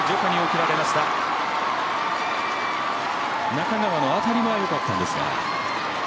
中川の当たりはよかったんですが。